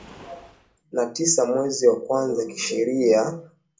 na tisa mwezi wa kwanza Kisheria Nhalevilo ataendelea kuwepo ofisini kwa muda wa miaka